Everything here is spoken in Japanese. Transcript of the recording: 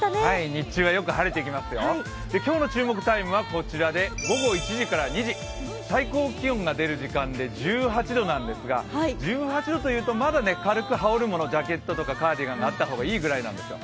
日中はよく晴れてきますよ、今日の注目タイムはこちらで午後１時から２時、最高気温が出る時間で１８度なんですが１８度というとまだ軽く羽織るもの、ジャケットやカーディガンがあった方がいいくらいなんですよ。